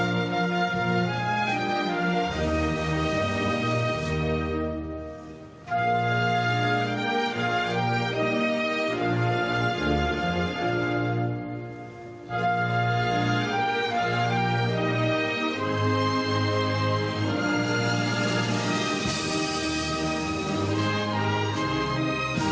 สวัสดีครับสวัสดีครับสวัสดีครับ